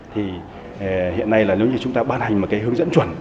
thì hiện nay là nếu như chúng ta ban hành một cái hướng dẫn chuẩn